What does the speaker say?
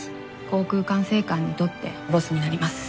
航空管制官にとってロスになります。